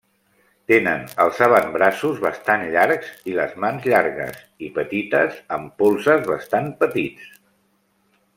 Tenen els avantbraços bastant llargs i les mans llargues i petites, amb polzes bastant petits.